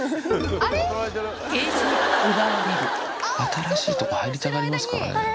新しいとこ入りたがりますからね。